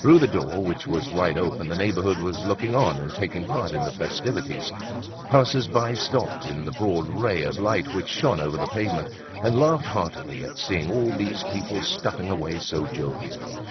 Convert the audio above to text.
Through the door, which was wide open, the neighborhood was looking on and taking part in the festivities. Passers by stopped in the broad ray of light which shone over the pavement, and laughed heartily at seeing all these people stuffing away so jovially.